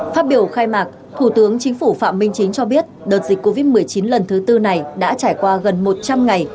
phát biểu khai mạc thủ tướng chính phủ phạm minh chính cho biết đợt dịch covid một mươi chín lần thứ tư này đã trải qua gần một trăm linh ngày